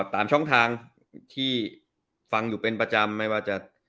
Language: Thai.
ตามช่องทางที่ฟังอยู่เป็นประจำไม่ว่าจะ